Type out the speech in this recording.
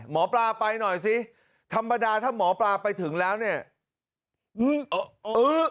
หมอปลาไปหน่อยสิธรรมดาถ้าหมอปลาไปถึงแล้วเนี่ย